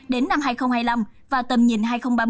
đến năm hai nghìn hai mươi năm và tầm nhìn hai nghìn ba mươi